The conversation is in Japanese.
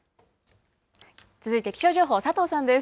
続いて気象情報、佐藤さんです。